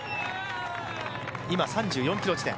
今３４ｋｍ地点。